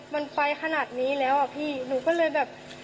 มันไปขนาดนี้แล้วอ่ะพี่หนูก็เลยแบบ